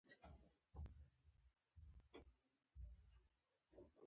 ویل یې خدای جنت وطن راکړی.